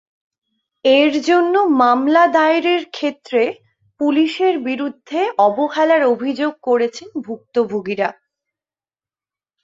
এর জন্য মামলা দায়েরের ক্ষেত্রে পুলিশের বিরুদ্ধে অবহেলার অভিযোগ করেছেন ভুক্তভোগীরা।